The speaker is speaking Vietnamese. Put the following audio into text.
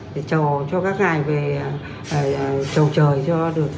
để chờ cho các ngày về chầu trời